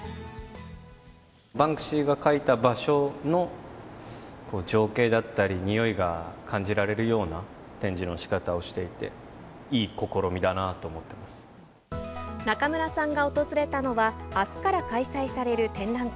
バンクシーが描いた場所の情景だったり、においが感じられるような展示のしかたをしていて、いい試みだな中村さんが訪れたのは、あすから開催される展覧会、